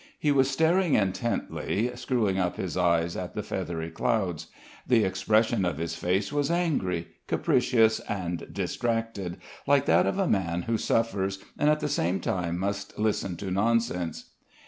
He was staring intently, screwing up his eyes at the feathery clouds. The expression of his face was angry, capricious and distracted, like that of a man who suffers and at the same time must listen to nonsense.